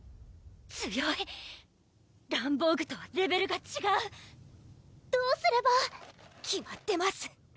強いランボーグとはレベルがちがうどうすれば決まってます